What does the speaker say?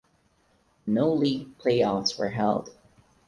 No league playoffs were held.